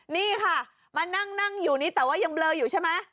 นี่ค่ะมานั่งนั่งอยู่นี่แต่ว่ายังเบลออยู่ใช่ไหม